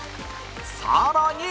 さらに